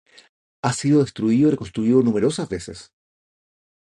Ha sido destruido y reconstruido numerosas veces.